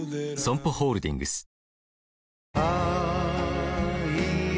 ＳＯＭＰＯホールディングス